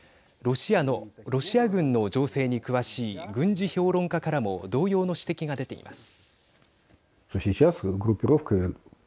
ロシア軍の情勢に詳しい軍事評論家からも同様の指摘が出ています。